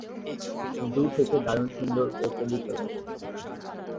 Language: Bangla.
দূর থেকে দারুণ সুন্দর ও পবিত্র লাগে।